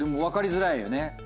分かりづらいよね